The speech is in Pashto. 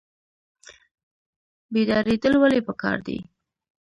بیداریدل ولې پکار دي؟